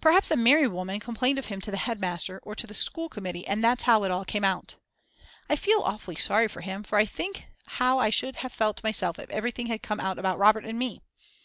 Perhaps a married woman complained of him to the head master or to the school committee and that's how it all came out. I feel awfully sorry for him, for I think how I should have felt myself if everything had come out about Robert and me.